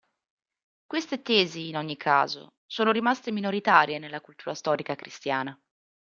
Queste tesi, in ogni caso, sono rimaste minoritarie nella cultura storica cristiana.